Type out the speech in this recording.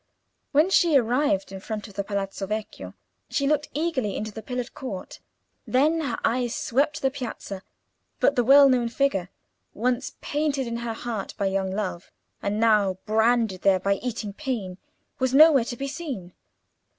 When she arrived in front of the Palazzo Vecchio, she looked eagerly into the pillared court; then her eyes swept the Piazza; but the well known figure, once painted in her heart by young love, and now branded there by eating pain, was nowhere to be seen.